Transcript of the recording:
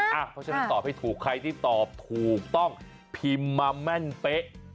เพราะฉะนั้นตอบให้ถูกใครที่ตอบถูกต้องพิมพ์มาแม่นเป๊ะ